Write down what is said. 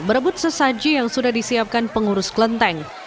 merebut sesaji yang sudah disiapkan pengurus kelenteng